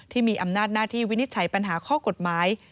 ที่มีอำนาจหน้าที่วินิจฉัยปัญหาข้อกฎหมาย